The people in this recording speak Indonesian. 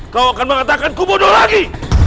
kau akan mengatakan kubodo lagi